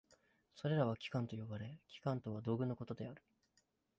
それらは器官と呼ばれ、器官とは道具のことである。